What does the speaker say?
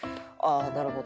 「なるほど。